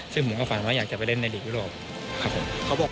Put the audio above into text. ซึ่งผมก็ฝันว่าอยากจะไปเล่นในหลีกยุโรปครับผม